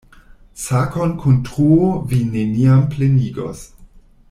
Sakon kun truo vi neniam plenigos.